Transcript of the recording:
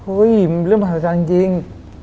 เรื่องมหัศจรรย์จริง